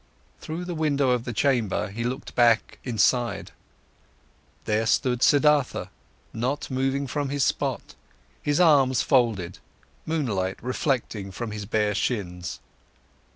Through the window of the chamber he looked back inside; there stood Siddhartha, not moving from his spot, his arms folded, moonlight reflecting from his bare shins.